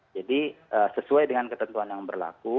jadi sesuai dengan ketentuan yang berlaku